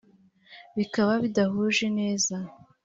bikaba bidahuje neza